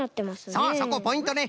そうそこポイントね。